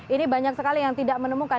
ini banyak sekali yang tidak menemukan